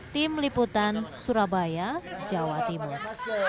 tim liputan surabaya jawa timur